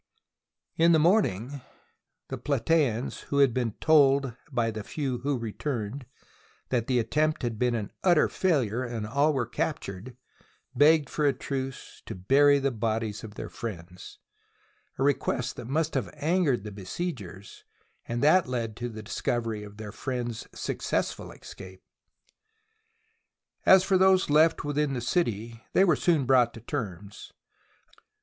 In the morning, the Platseans, who had been told by the few who returned that the attempt had been an utter failure and all were captured, begged for a truce " to bury the bodies of their friends "— a request that must have angered the besiegers, and that led to the discovery of their friends' successful escape. As for those left within the city, they were soon brought to terms.